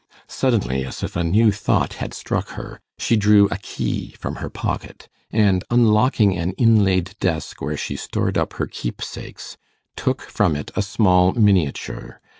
Suddenly, as if a new thought had struck her, she drew a key from her pocket, and, unlocking an inlaid desk where she stored up her keepsakes, took from it a small miniature.